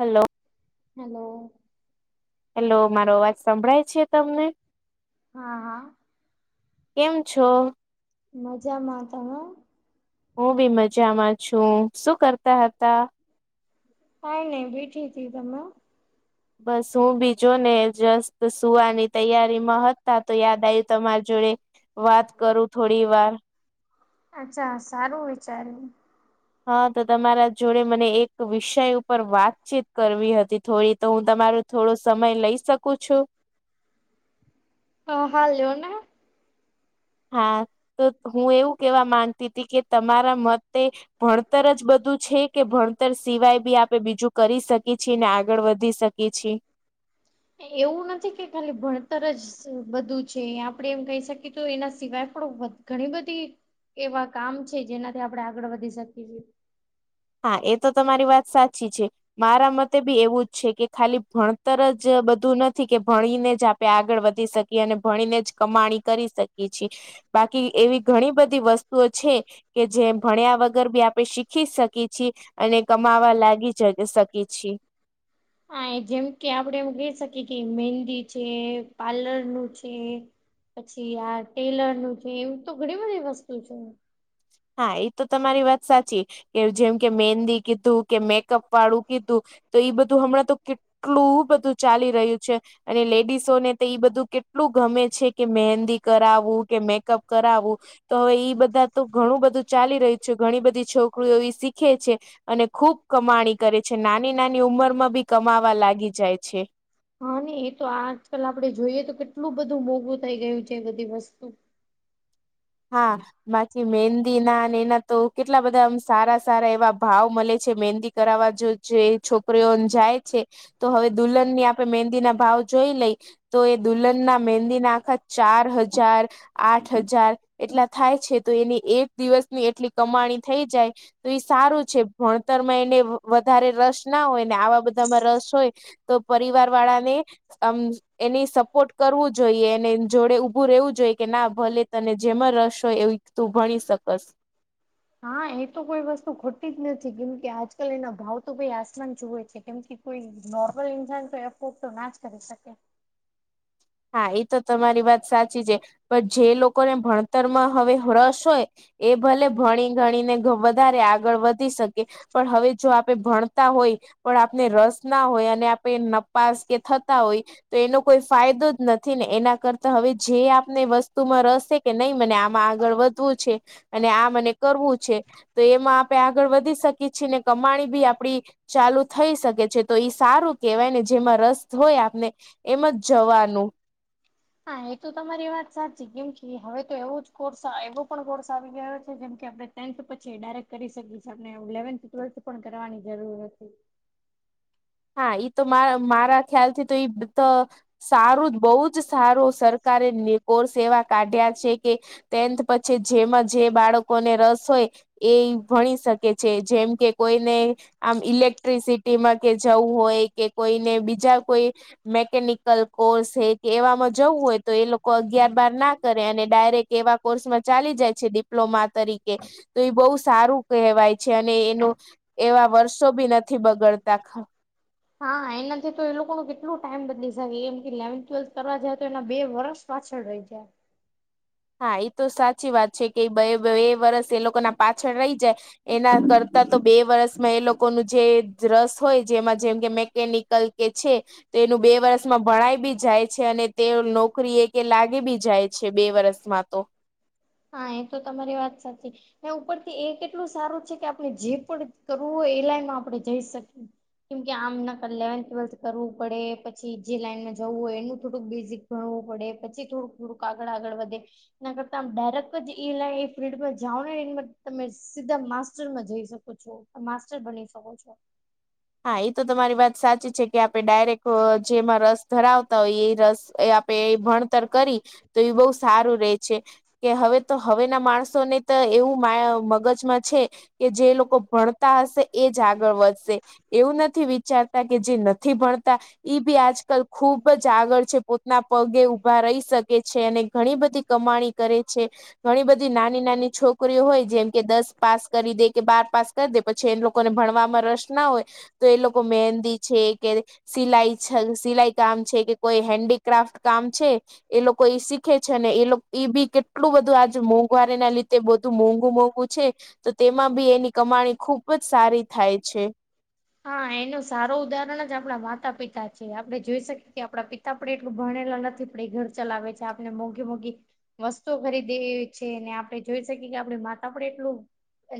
Hello hello hello મારો અવાજ સંભળાય છે તમને, હા હા કેમ છો? મજામાં તમે? હું બી મજામાં છું શું કરતા હતા.? હા નહી બીઠી હતી. તમે? બસ હું બીજો ને એજસ્ટત સુવાની તૈયારી માં હતી તા તો યાદ આવ્યું તમારી જોડે વાત કરું થોડી વાર. અચ્છા સારું વિચાર્યું. હા તો તમારા જોડે મને એક વિષય ઉપર વાતચીત કરવી હતી થોડી, તો હું તમારું થોડો સમય લઈ શકું છું? હા હાલ લયોના હા તો હું એવું કેવા માંગતી હતી કે તમારા મતે ભણતર જ બધું છે કે, ભણતર સિવાય બી આપણે બીજું કરી શકીએ છીએ, ને આગળ વધી શકી ગ છે. એવું નથી કે ખાલી ભણતર જ બધું છે. આપણેે એમ કહી શકીએ તો એના સિવાય આપ ઘણી બધી એવા કામ છે જેનાથી, આપણે આગળ વધી શકીએ છીએ. હા એ તો તમારી વાત સાચી છે મારા મત બી એવું જ છે કે ખાલી ભણતર જ બધું નથી કે ભણીને જ આપે આગળ વધી શકી અને ભણીને જ કમાણી કરી શકીએ છીએ. બાકી એવી ઘણી બધી વસ્તુઓ છે કે જેમ ભણ્યા વગર બી આપણે શીખી શકીએ છીએ, અને કમાવા લાગી જ શકીએ છીએ. હા જેમ કે આપડે એમ કઈ શકીએ કે, મહેંદી છે પાલરનું છે. પછી આ ટેલર નું છે એમ તો ઘણી બધી વસ્તુ છે. હા એ તો તમારી વાત સાચી. કે જેમ કે મેંદી કીધું કે, મેકઅપ વાળું કીધું તો, બધું હમણાં તો એટલું બધું ચાલી રહ્યું છે અને લેડીસો ને તો બધું કે એટલું ગમે છે. કે મહેંદી કરાવું કે, મેકઅપ કરાવવું તો હવે ઈ બધા તો ઘણું બધું ચાલી રહ્યું છે. ઘણી બધી છોકરીઓ એ શીખે છે. અને ખુબ કમાણી કરે છે. નાની નાની ઉંમર માં બી કમાવા લાગી જાય છે. હા ને એ તો આજકાલ આપડે જોઈએ તો, કેટલું બધું મોઘું થઈ ગયું છે. એ બધી વસ્તુ હા બાકી મહેંદી ના ને એના તો કેટલા બધા આમ સારા સારા એવા ભાવ મળે છે, મહેંદી કરાવવા જો જે છોકરીઓ જાય છે. તો હવે દુલ્હનની આપે મહેંદી ના ભાવ જોઈ લઈ. તો એ દુલ્હનના મેંદી ના આખા ચાર હજાર આઠ હજાર એટલા થાય છે તો, એની એક દિવસની એટલી કમાણી થઈ જાય. તો એ સારું છે ભણતરમાં એને વધારે રસ ના હોય ને, આવા બધામાં રસ હોય તો પરિવાર વાળાને આમ એની સપોર્ટ કરવું જોઈએ, એને જોડે ઊભું રહેવું જોઈએ, કે ના ભલે તને જેમાં રસ હોય એવીું તું ભણી શકસ. હા એ તો કોઈ વસ્તુ ખોતી જ નથી કેમ કે આજકાલ એના ભાવ તો ભાઈ આસમાન જુવે છે કેમ કે કોઈ નોર્મલ ઇન્સાન તો એપ તો ના જ કરી શકે. હા એ તો તમારી વાત સાચી છે. પણ જે લોકોને ભણતરમાં હવે રસ હોય. એ ભલે ભણી ગણીને વધારે આગળ વધ શકે પણ હવે જો આપણે ભણતા હોય, પણ આપને રસ ના હોય અને આપે નપાસ કે થતા હોય તો એનો કોઈ ફાયદો નથી ને એના કરતા હવે જે આપને વસ્તુમાં રસે કે નહીં મને આમાં આગળ વધવું છે. અને આ મને કરવું છે તો એમાં આપે આગળ વધી શકીએ છીએ ને કમાણી ભી આપડી ચાલુ થઈ શકે છે તો ઈ સારું કેહેવાય ને જેમાં રસ હોય આપને એમા જ જવાનું. હા એ તો તમારી વાત સાચી કેમ કે હવે તો એવો જ કોર્સ એવો પણ કોર્સ આવી ગયો છે જેમ કે આપણે ટેન્થ પછી ડાયરેક્ટ કરી શકી છે આપને ઈલેવન્થ ટ્વેલ્થ પણ કરવાની જરૂર નથી. હા ઈ તો માર મારા ખ્યાલ થી તો ઈ તો સારું બહુ જ સારું સરકારે કોર્સ એવા કાઢ્યા છે કે ટેન્થ પછી જેમાં જે બાળકોને રસ હોય એ ભણી શકે છે જેમ કે કોઈને આમ ઇલેક્ટિસિટીમાં કે જવું હોય કે કોઈને બીજા કોઈ મેકેનિકલ કોર્સ કે એવામાં જવું હોય તો એ લોકો અગિયાર બાર ના કરે અને ડાયરેક્ટ એવા કોર્સમાં ચાલી જાય છે ડિપ્લોમા તરીકે તો એ બહુ સારું કહેવાય છે અને એનું એવા વર્ષો બી નથી બગડતા. હા એનાથી તો એ લોકો નુ કેટલું ટાઈમ બદલી શકે એમ કે ઈલેવન્થ ટ્વેલ્થ કરવા જાય તો એના બે વર્ષ પાછળ રહી જાય. હા એ તો સાચી વાત છે કે બે વરષ એ લોકો ના પાછળ રહી જાય એના કરતા તો બે વર્ષમાં એ લોકોનું જે રસ હોય જેમાં જેમ કે મેકેનિકલ એ છે. તેનું બે વરસમાં ભણાય બી જાય છે અને તે નોકરી એ કે લાગી બી જાય છે બે વરસ માતો હા એ તો તમારી વાત સાચી એ ઉપરથી એ કેટલું સારું છે કે આપણે જે પણ કરવું હોય એ લાઈનમાં આપણે જઈ શકી કેમ કે આમ ના ઈલેવંથ ટ્વેલ્થ કરવું પડે પછી જે લાઈનમાં જવું હોય એનું થોડુંક બેઝિક ભણવું પડે પછી થોડુંક થોડુંક આગળ આગળ વધે એના કરતા આમ ડાયરેક્ટ એ લાઈ ફિલ્ડમાં જાવ ને તમે સીધા માસ્ટરમાં જઈ શકો છો. માસ્ટર બની શકો છો. હા એ તો તમારી વાત સાચી છે કે આપડે ડાયરેક્ટ જેમાં રસ ધરાવતા હોય એ રસ એ આપે ભણતર કરી તો એ બહુ સારું રે છે. કે હવે તો હવે ના માણસો ને તો એવું મા મગજમાં છે કે જે લોકો ભણતા હશે એ જ આગળ વધશે. એવું નથી વિચારતા કે જે નથી ભણતા ઈ બી આજકાલ ખુબ જ આગળ છે પોતના પગે ઊભા રહી શકે છે અને ઘણી બધી કમાણી કરે છે. ઘણી બધી નાની નાની છોકરીઓ હોય જેમ કે દસ પાસ કરી દે કે બાર પાસ કરી દે પછી એ લોકોને ભણવામાં રસ ના હોય તો એ લોકો મહેંદી છે કે સિલાઈ સિલાઈ કામ છે, કે કોઈ હેન્ડીક્રાફ્ટ કામ છે. એ લોકો એ શીખે છે ને એ એ બી કેટલું બધું આજ મોંઘવારી ના લીધે બધુ મોંઘું -મોંઘું નુ છે તો તેમાં બી એની કમાણી ખુબ જ સારી થાય છે. હા એનું સારું ઉદાહરણ જ આપણા માતા પિતા છે આપણે જોઈ શકીએ કે આપડા પિતા આપણે એટલું ભણેલા નથી આપડે એ ઘર ચલાવે છે આપણે મોંઘી મોઘી વસ્તુ ખરી દેવી છે ને આપણે જોઈ શકીએ કે આપડી માતા પણ એટલું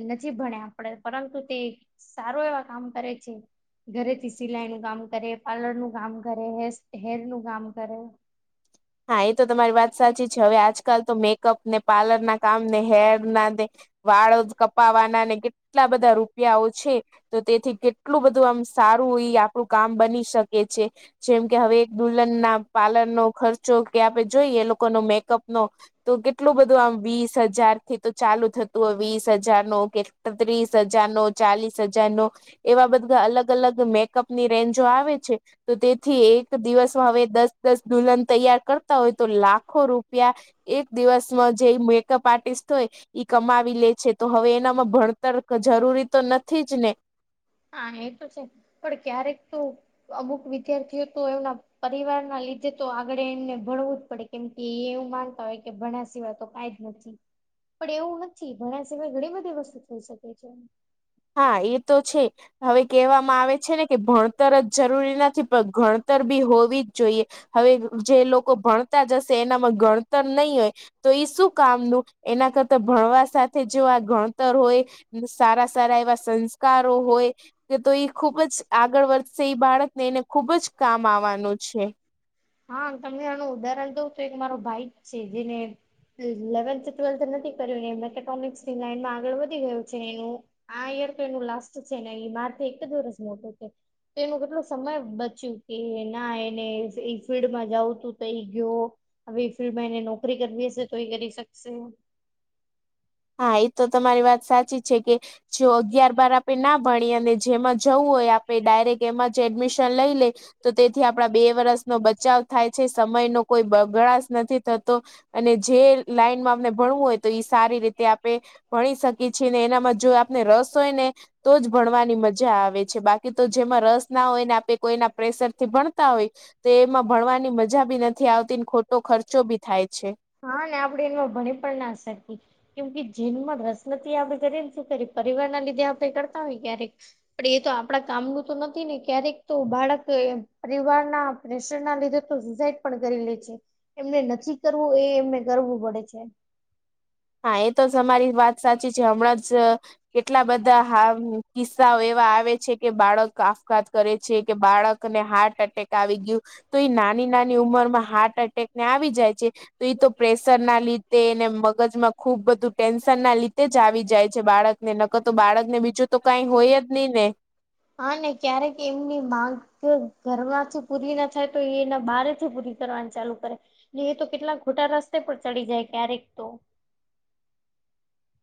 નથી ભણ્યા આપડે પરંતુ તે સારો એવા કામ કરે છે. ઘરેથી સિલાઈ નું કામ કરે, પાર્લર નું કામ કરેે, હેર નું કામ કરે. હા એ તો તમારી વાત સાચી છે હવે આજકાલ તો મેકઅપ ને, પાર્લર ના કામ ને, હેર ના ને વાળ કપાવાના ને કેટલા બધા રૂપિયાઓ છે તો તેથી કે એટલું બધું આમ સારું એ આપણું કામ બની શકે છે. જેમ કે હવે એક દુલ્હન ના પાર્લરનો ખર્ચો કે આપે જોઈએ એ લોકોનો મેકઅપ નો તો કેટલું બધું આમ વીસ હજાર થી તો ચાલુ થતું હોય વીસ હજાર નું કે ત્રીસ હજાર નો, ચાલીસ હજાર નો. એવા બધા અલગ-અલગ મેકઅપની રેન્જો આવે છે. તો તેથી એક દિવસમાં, હવે દસ-દસ દુલ્હન તૈયાર કરતા હોય તો, લાખો રૂપિયા. એક દિવસમાં જે મેકઅપ આર્ટિસ્ટ હોય. ઈ કમાવી લે છે, તો હવે એનામાં ભણતર જરૂરી તો નથી જ ને. હા, એ તો છે, પણ ક્યારેક તું અમુક વિદ્યાર્થીઓ તો એમના પરિવાર ના લીધે તો, આગળ એમને ભણવું જ પડે. કેમ કે એવું માનતા હોય કે, ભણવા સિવાય તો કઈ જ નથી. પણ એવું નથી, ભણવા સિવાય ઘણી બધી વસ્તુ થઈ શકે છે. હા, એ તો છે. હવે કહેવામાં આવે છે ને, કે ભણતર જ જરૂરી નથી, પણ ભણતર બી હોવી જ જોઈએ. હવે જે લોકો ભણતા જ હશે, એનામાં ગણતર નહી હોય. તો એઈ શું કામનું એના કરતા ભણવા સાથે જો, આ ગણતર હોય સારા. સારા એવા સંસ્કારો હોય. કે તો ખુબ જ આગળ વધશે, એ બાળકને એને ખુબ જ કામ આવવાનું છે. હા, તમને આનું ઉદાહરણ દઉ તો, એક મારો ભાઈ છે જેને ઇલેવન્થ ટ્વેલ્થ નથી કર્યું ને, મેથેકોમિક્સ ની લાઈનમાં આગળ વધી ગયું છે, એનું. હા, યરપ્લે નું લાસ્ટ છે ને, એ માર એક જ વર્ષ મોટું છે. તેનું કેટલો સમય બચ્યું કે, ના એને ફિલ્ડમાં જાઉું તું તો એ ગયો, હવે એ ફિલ્ડમાં એને નોકરી કરવી હશે તો, એ કરી શકશે. હા, એ તો તમારી વાત સાચી છે કે જો અગિયાર બાર આપે ના ભણી અને જેમાં જવું હોય, આપે ડાયરેક્ટ એમાં જ એડમિશન લઈ લે. તો તેથી આપણા બે વર્ષનો બચાવ થાય છે, સમય નો કોઈ બગળે નથી થતો. અને જે લાઈનમાં અમને ભણવું હોય તો, એ સારી રીતે આપણે ભણી શકીએ છીએ ને, એના જો આપને રસ હોય ને. તો જ ભણવાની મજા આવે છે, બાકી તો જેમાં રસ ના હોયને આપે, કોઈના પ્રેશર થી ભણતા હોય. તો એમાં ભણવાની મજા બી નથી આવતી, ખોટો ખર્ચો બી થાય છે. હા ને, આપડે એમાં ભણી પણ ના સરકી. કેમ કે જેનમાં રસમતિ આપડે કરીએ ને શું ખ, પરિવાર ના લીધે આપડે કરતા હોય, ક્યારેક. પણ એ તો આપણા કામનું તો નથી ને, ક્યારેક તો બાળક પરિવારના રસ્ટ ના લીધે તો સુસાઈડ પણ કરી લે છે, એમને નથી કરવું એ એમને કરવું પડે છે. હા, એ તો જ અમારી વાત સાચી છે, હમણાં જ કેટલા બધા હ કિસ્સાઓ એવા આવે છે કે, બાળક આપફઘાત કરે છે કે, બાળક ને હાર્ટ એટેક આવી ગયું તો, એ નાની નાની ઉંમર માં હાર્ટ એટેક ને આવી જાય છે, તો એ તો પ્રેશર ના લીધે એને મગજમાં ખુબ બધું ટેન્શન ના લીધે જ આવી જાય છે, બાળકને નકર તો બાળક ને, બીજું તો કઈ હોય જ નહી ને. હા ને, ક્યારેક એમની માંગ ઘરમાંથી પૂરી ના થાય તો, એના બારથી પૂરી કરવાનું ચાલુ કરે, એટલે એ તો કેટલા ખોટા રસ્તે પર ચડી જાય, ક્યારેક તો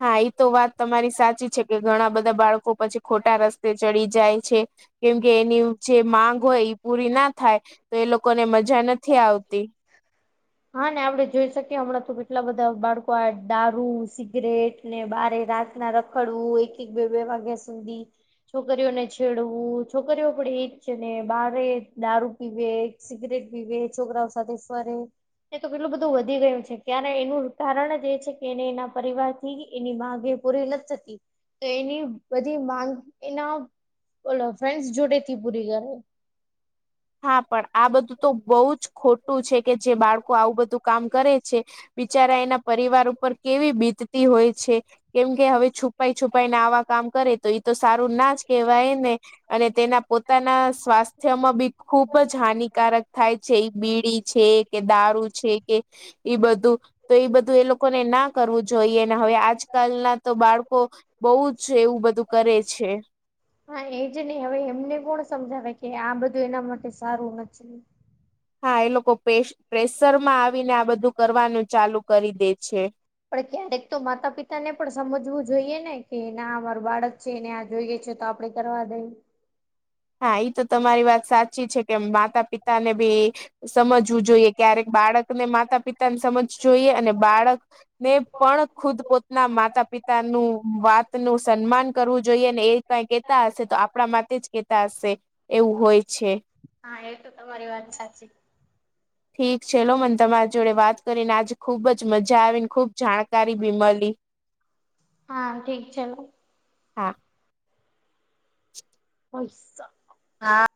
હા, એ તો વાત તમારી સાચી છે કે, ઘણા બધા બાળકો પછી ખોટા રસ્તે ચડી જાય છે. કેમકે એની જે માંગ હોય એ પૂરી ના થાય તો, એ લોકોને મજા નથી આવતી. હા, આપડે જોઈ શકીએ હમણાં તો, કેટલા બધા બાળકો આ દારૂ, સિગરેટ ને બારે રાતના રખડવું, એક-એક, બે-બે વાગ્યા સુધી. છોકરીઓને છેડવું, છોકરીઓ પણ એજ છે ને, બારે દારૂ પીવે. સિગરેટ પીવે, છોકરાઓ સાથે ફરે. એ તો કેટલું બધું વધી ગયું છે, ક્યારે એનું કારણ જ એ છે કે, એને એના પરિવાર થી એની માગે. પૂરી નથી થતી, તો એની બધી માંગ એના બોલો ફ્રેન્ડ્સ જોડે થી પૂરી ઘરે હા, પણ આ બધું તો બહુ જ ખોટું છે કે, જે બાળકો આવું બધું કામ કરે છે, બિચારા એના પરિવાર ઉપર કેવી બીતતી હોય છે. કેમ કે હવે છુપાઈ છુપાઈ ને આવા કામ કરે તો, એ તો સારું ના જ કેવાય ને. અને તેના પોતાના સ્વાસ્થ્યમાં બી ખૂબ જ હાનિકારક થાય છે, એ બીડી છે કે, દારૂ છે કે ઈ બધું તો એ બધું એ લોકોને ના કરવું જોઈએ ને, હવે આજકાલ ના તો બાળકો બહુ જ એવું બધું કરે છે. હા, એજ નહી, હવે એમને કોણ સમજાવે કે, આ બધું એના માટે સારું નથી. હા, એ લોકો પ્રેશર માં આવીને, આ બધું કરવાનું ચાલુ કરી દે છે. પણ ક્યારેક તો માતા-પિતા ને, પણ સમજવું જોઈએ ને કે ના અમારું બાળક છે ને, આ જોઈ ગઈ છે તો, આપડે કરવા દઈ. હા, ઈ તો તમારી વાત સાચી છે કે, માતા-પિતા ને બી સમજવું જોઈએ, ક્યારેક બાળકને માતા-પિતાને સમજવું જોઈએ, અને બાળક ને પણ ખુદ પોતાના માતા-પિતાનું વાત નું સન્માન કરવું જોઈએ ને, એ કઈક હશે તો, આપણા માટે જ કેતા હશે, એવું હોય છે. હા, એટું તો મારી વાત સાચી. ઠીક છે લો, મને તમારી જોડે વાત કરીને, આજે ખુબ જ મજા આવી ને, ખુબ જાણકારી બી મળી. હા, ઠીક છે. હા. [unintelligible] હૈસ [unintelligible] હા.